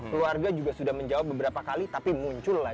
keluarga juga sudah menjawab beberapa kali tapi muncul lagi